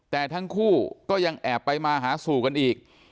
แต่ทั้งคู่ก็ยังแอบไปมาหาสู่กันอีก